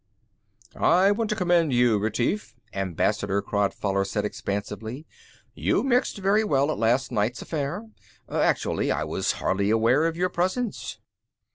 "I want to commend you, Retief," Ambassador Crodfoller said expansively. "You mixed very well at last night's affair. Actually, I was hardly aware of your presence."